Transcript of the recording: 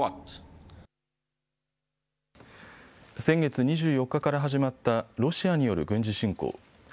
先月２４日から始まったロシアによる軍事侵攻。